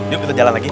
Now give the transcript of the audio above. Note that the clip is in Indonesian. yuk kita jalan lagi